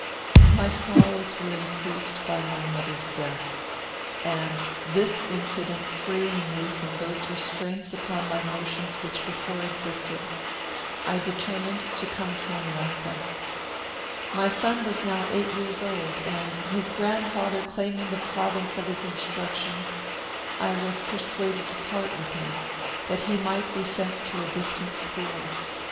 My sorrows were increased by my mother's death, and, this incident freeing me from those restraints upon my motions which before existed, I determined to come to America. "My son was now eight years old, and, his grandfather claiming the province of his instruction, I was persuaded to part with him, that he might be sent to a distant school.